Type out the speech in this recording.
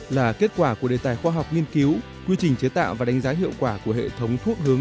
là kết quả của đề tài khoa học nghiên cứu quy trình chế tạo và đánh giá hiệu quả của hệ thống thuốc hướng